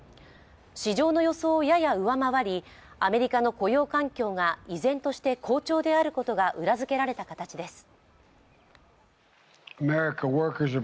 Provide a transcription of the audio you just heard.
市場の予想をやや上回り、アメリカの雇用環境が依然として好調であることが裏付けられた形です。